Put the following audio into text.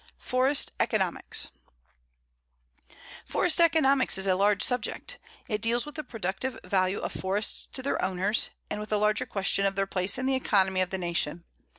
FOREST ECONOMICS: Forest Economics is a large subject. It deals with the productive value of forests to their owners, and with the larger question of their place in the economy of the Nation.